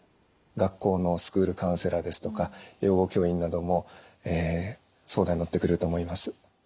学校のスクールカウンセラーですとか養護教員なども相談に乗ってくれると思います。